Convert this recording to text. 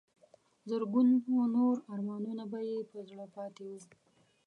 زرګونو نور ارمانونه به یې پر زړه پاتې وو.